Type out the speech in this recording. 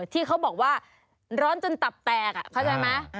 ที่เขาบอกว่าร้อนจนตับแตกเข้าใจไหม